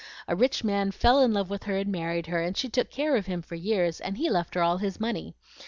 A rich man fell in love with her and married her, and she took care of him for years, and he left her all his money.